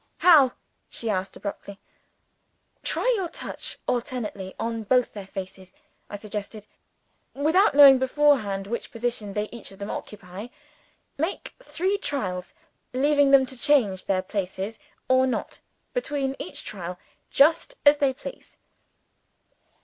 "How?" she asked abruptly. "Try your touch alternately on both their faces," I suggested, "without knowing beforehand which position they each of them occupy. Make three trials leaving them to change their places or not, between each trial, just as they please.